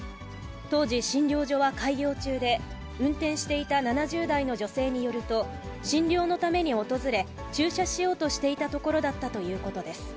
当時診療所は開業中で、運転していた７０代の女性によると、診療のために訪れ、駐車しようとしていたところだったということです。